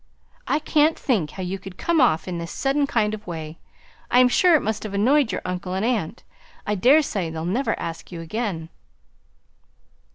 "I can't think how you could come off in this sudden kind of way; I am sure it must have annoyed your uncle and aunt. I daresay they'll never ask you again."